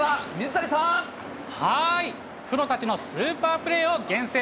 はい、プロたちのスーパープレーを厳選。